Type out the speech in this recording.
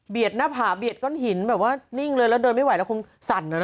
หน้าผาเบียดก้อนหินแบบว่านิ่งเลยแล้วเดินไม่ไหวแล้วคงสั่นนะ